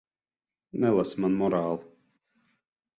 Nelasi man morāli.